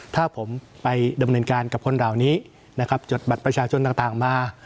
ถ้าผมไปดำเนินการกับคนเหล่านี้นะครับจดบัตรประชาชนต่างมา